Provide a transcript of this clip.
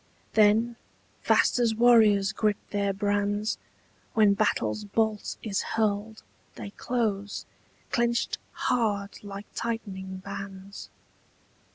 Then, fast as warriors grip their brands When battle's bolt is hurled, They close, clenched hard like tightening bands.